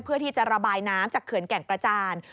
เพื่อที่จะระบายน้ำจากเขื่อนแก่งกระจาน